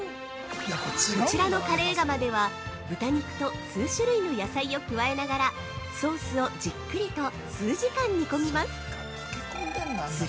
◆こちらのカレー釜では、豚肉と数種類の野菜を加えながら、ソースをじっくりと数時間煮込みます。